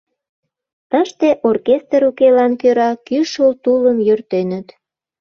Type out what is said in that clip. Тыште оркестр укелан кӧра кӱшыл тулым йӧртеныт.